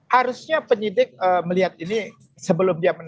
harusnya penyidik melihat ini sebelum dia menang